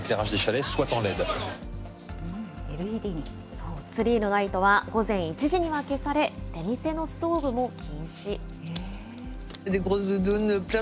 そう、ツリーのライトは午前１時には消され、出店のストーブも禁止。